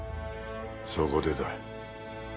そこでだ。